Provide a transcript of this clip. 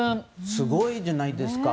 すごいじゃないですか。